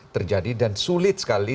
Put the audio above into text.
terjadi dan sulit sekali